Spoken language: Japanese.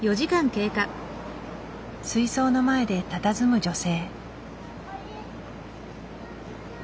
水槽の前でたたずむ女性。